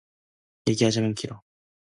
얘기하자면 길어.